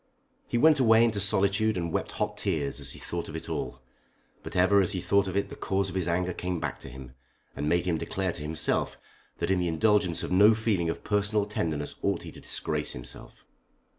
He went away into solitude and wept hot tears as he thought of it all. But ever as he thought of it the cause of his anger came back to him and made him declare to himself that in the indulgence of no feeling of personal tenderness ought he to disgrace himself.